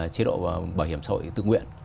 chế độ bảo hiểm xã hội tự nguyện